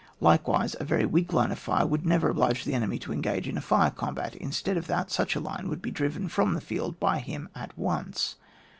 Likewise, a very weak line of fire would never oblige the enemy to engage in a fire combat : instead of that such a line woiJd be driven from the field by him at once.